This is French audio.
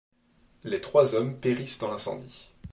Les trois hommes périssent dans l'incendie.